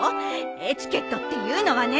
エチケットっていうのはね